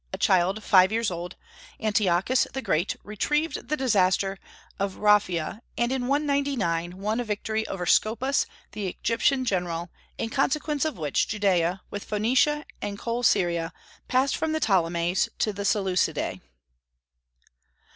a child five years old, Antiochus the Great retrieved the disaster at Raphia, and in 199 won a victory over Scopas the Egyptian general, in consequence of which Judaea, with Phoenicia and Coele Syria, passed from the Ptolemies to the Seleucidae.